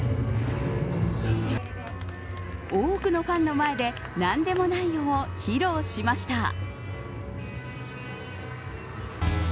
多くのファンの前でなんでもないよ、を披露しました。